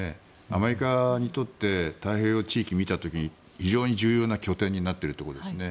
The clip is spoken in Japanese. アメリカにとって太平洋地域を見た時に非常に重要な拠点となっているということですね。